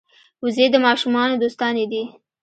وزې د ماشومانو دوستانې دي